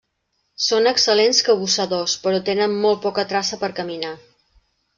Són excel·lents cabussadors, però tenen molt poca traça per caminar.